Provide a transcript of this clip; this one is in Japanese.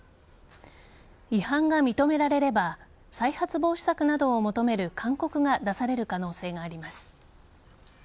違反が認められれば再発防止策などを求める勧告が出される可能性があります。